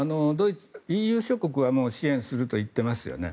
ＥＵ諸国は、もう支援すると言ってますよね。